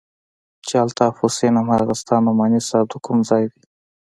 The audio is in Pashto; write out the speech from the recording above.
چې الطاف حسين هماغه ستا نعماني صاحب د کوم ځاى دى.